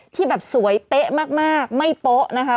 ที่แบบสวยเป๊ะมากไม่โป๊ะนะคะ